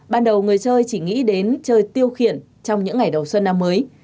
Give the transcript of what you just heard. ban đầu người chơi chỉ nghĩ đến chơi tiêu khiển trong những ngày đầu xuân năm mới